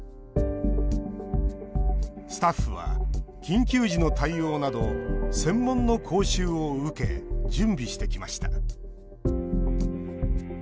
スタッフは緊急時の対応など専門の講習を受け準備してきました。